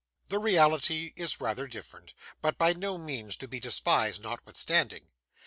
The reality is rather different, but by no means to be despised notwithstanding.